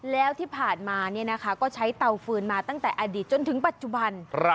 แล้วที่ผ่านมาก็ใช้เตาฟืนมาตั้งแต่อดีตจนถึงปัจจุบัน